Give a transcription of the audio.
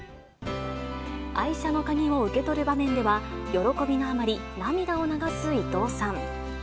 愛車の鍵を受け取る場面では、喜びのあまり、涙を流す伊藤さん。